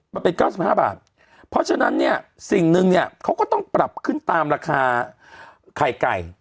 มันเป็น๙๕บาทเพราะฉะนั้นเนี่ยสิ่งหนึ่งเนี่ยเขาก็ต้องปรับขึ้นตามราคาไข่ไก่